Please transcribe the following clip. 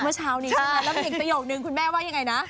เมื่อเช้านี้แล้วมีอีกประโยคนึงคุณแม่ว่ายังไงนะ